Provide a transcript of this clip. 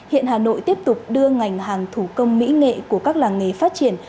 hiện hà nội tiếp tục đưa ngành hàng thủ công mỹ nghệ của các làng nghề phát triển